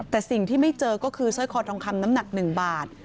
แต่สิ่งที่ไม่เจอก็คือสร้อยคอทองคำน้ำหนัก๑บาท